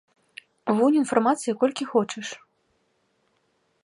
Вунь, інфармацыі колькі хочаш.